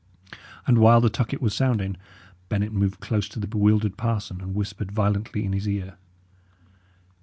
And while the tucket was sounding, Bennet moved close to the bewildered parson, and whispered violently in his ear.